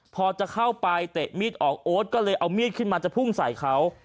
พอจะเข้าไปเตะมีดออกโอ๊ตก็เลยเอามีดขึ้นมาจะพุ่งใส่เขา